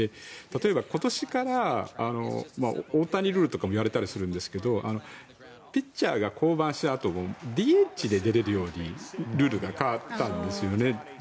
例えば、今年から大谷ルールとかいわれたりするんですがピッチャーが降板したあともＤＨで出れるようにルールが変わったんですね。